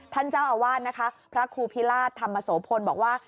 ท่านเจ้าอาวาสนะคะพระครูพิราชธรรมโสพลบอกว่า